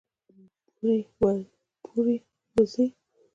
پورې ، وځي